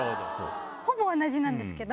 ほぼ同じなんですけど。